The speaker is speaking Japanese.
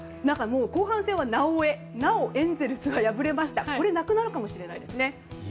後半戦はなおエなおエンゼルスが敗れましたなくなるかもしれないですね。